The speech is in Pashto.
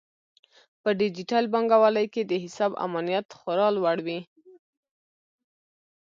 په ډیجیټل بانکوالۍ کې د حساب امنیت خورا لوړ وي.